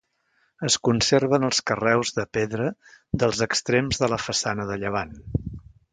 Es conserven els carreus de pedra dels extrems de la façana de llevant.